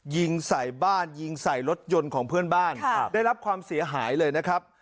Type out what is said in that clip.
ยิงใส่บ้านยิงใส่รถยนต์ของเพื่อนบ้านได้รับความเสียหายเลยนะครับ